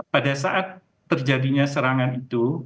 pada saat terjadinya serangan itu